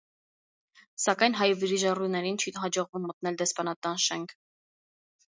Սակայն հայ վրիժառուներին չի հաջողվում մտնել դեսպանատան շենք։